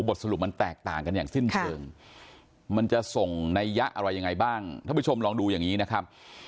สรุปมันแตกต่างกันอย่างสิ้นเชิงมันจะส่งนัยยะอะไรยังไงบ้างท่านผู้ชมลองดูอย่างนี้นะครับ